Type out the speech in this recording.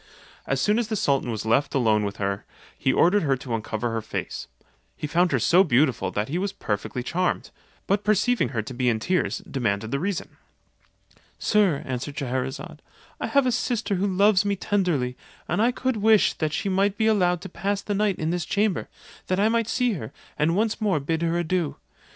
As soon as the sultan was left alone with her, he ordered her to uncover her face: he found her so beautiful that he was perfectly charmed; but perceiving her to be in tears, demanded the reason. "Sir," answered Scheherazade, "I have a sister who loves me tenderly, and I could wish that she might be allowed to pass the night in this chamber, that I might see her, and once more bid her adieu.